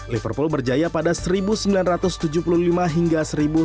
liverpool berjaya pada seribu sembilan ratus tujuh puluh lima hingga seribu sembilan ratus sembilan puluh